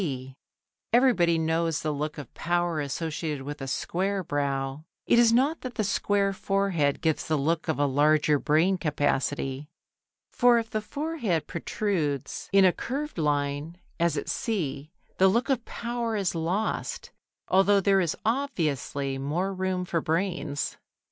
B). Everybody knows the look of power associated with a square brow: it is not that the square forehead gives the look of a larger brain capacity, for if the forehead protrudes in a curved line, as at C, the look of power is lost, although there is obviously more room for brains.